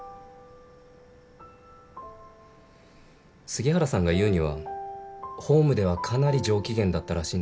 杉原さんが言うにはホームではかなり上機嫌だったらしいんだ。